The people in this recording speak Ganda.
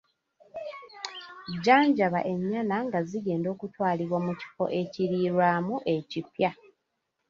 Jjanjaba ennyana nga zigenda okutwalibwa mu kifo ekiriirwamu ekipya.